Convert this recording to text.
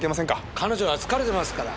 彼女は疲れてますから。